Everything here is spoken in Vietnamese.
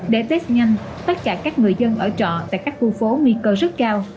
để test nhanh tất cả các người dân ở trọ tại các khu phố nguy cơ rất cao